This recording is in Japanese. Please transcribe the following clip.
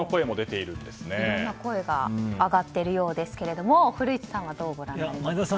いろんな声が上がっているようですが古市さんはどうご覧になりますか。